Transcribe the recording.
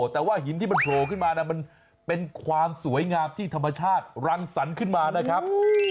แต่ว่าหินที่มันโผล่ขึ้นมามันเป็นความสวยงามที่ธรรมชาติรังสรรค์ขึ้นมานะครับ